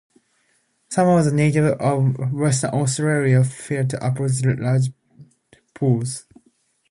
Some of the natives of western Australia fear to approach large pools.